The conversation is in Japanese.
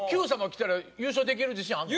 きたら優勝できる自信あるの？